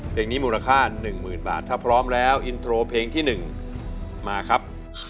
เพลงนี้มูลค่าหนึ่งหมื่นบาทถ้าพร้อมแล้วอินโทรเพลงที่หนึ่งมาครับ